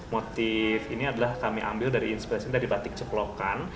motif ini kami ambil dari batik ceplokan